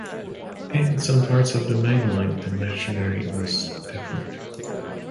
In some parts of the mainland the machinery was different.